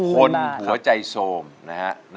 คนหัวใจโทรมนะฮะ